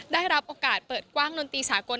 ได้รับโอกาสเปิดกว้างดนตรีสากล